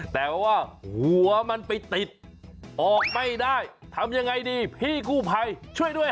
แต่ว่าหัวมันไปติดออกไม่ได้ทำยังไงดีพี่กู้ภัยช่วยด้วย